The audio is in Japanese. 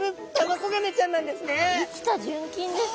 生きた純金ですか？